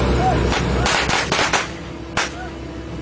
หรือว่าเกิดอะไรขึ้น